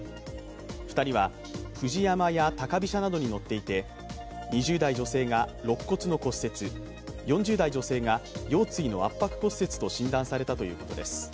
２人はＦＵＪＩＹＡＭＡや高飛車などに乗っていて、２０代女性がろっ骨の骨折、４０代の女性が腰椎の圧迫骨折と診断されたということです。